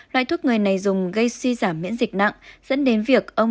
loại thuốc người này dùng gây suy giảm miễn dịch nặng